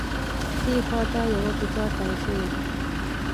ښي خوا ته یوه کوڅه تاوه شوې ده.